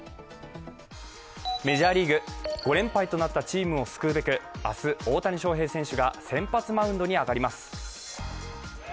メジャーリーグ、５連敗となったチームを救うべく、明日、大谷翔平選手が先発マウンドに上がります。